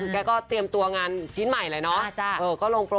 แกก็เตรียมตัวงานชิ้นใหม่แหละเนาะ